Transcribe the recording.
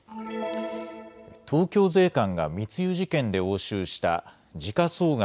東京税関が密輸事件で押収した時価総額